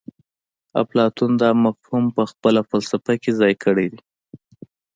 اپلاتون دا مفهوم په خپله فلسفه کې ځای کړی دی